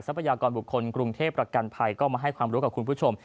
พยากรบุคคลกรุงเทพประกันภัยก็มาให้ความรู้กับคุณผู้ชม